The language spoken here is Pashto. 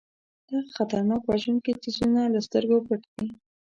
دغه خطرناک او وژونکي څیزونه له سترګو پټ دي.